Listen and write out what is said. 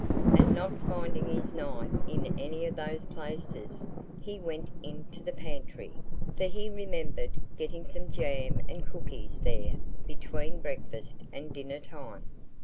And not finding his knife in any of those places, he went into the pantry, for he remembered getting some jam and cookies there between breakfast and dinner time.